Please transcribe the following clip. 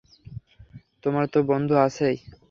তোমার তো বন্ধু আছেই।